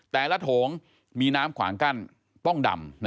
โถงมีน้ำขวางกั้นต้องดำ